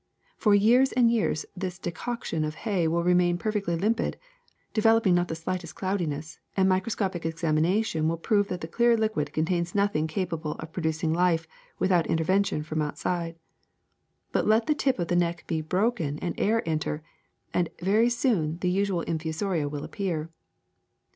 For years and years the decoction of hay will remain perfectly limpid, developing not the slightest cloudi ness, and miscroscopic examination will prove that the clear liquid contains nothing capable of produc ing life without intervention from outside. But let the tip of the neck be broken and air enter, and very soon the usual infusoria will appear.